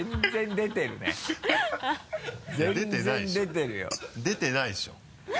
出てないでしょ。